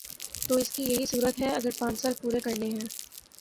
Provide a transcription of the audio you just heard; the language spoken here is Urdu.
تو اس کی یہی صورت ہے اگر پانچ سال پورے کرنے ہیں۔